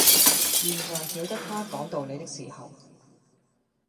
現在曉得他講道理的時候，